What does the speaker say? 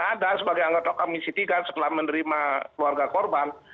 ada sebagai anggota komisi tiga setelah menerima keluarga korban